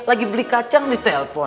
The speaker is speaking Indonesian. lagi beli kacang nih telpon